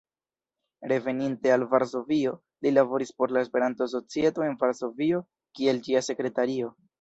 Reveninte al Varsovio, li laboris por la Esperanto-Societo en Varsovio kiel ĝia sekretario.